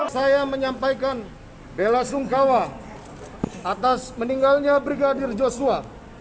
saya menyampaikan bela sungkawa atas meninggalnya brigadir joshua